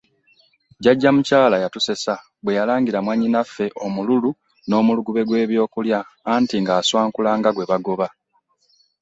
Jjajja mukyala yatussessa bwe yalangira mwanyina ffe omululu n'omulugube gw'ebyokulya anti nga aswankula nga gwe bagoba.